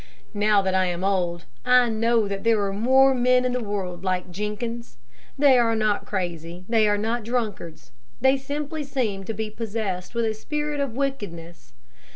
Now that I am old, I know that there are more men in the world like Jenkins. They are not crazy, they are not drunkards; they simply seem to be possessed with a spirit of wickedness.